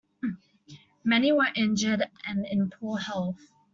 Many were injured and in poor health.